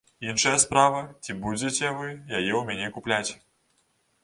Іншая справа, ці будзеце вы яе ў мяне купляць.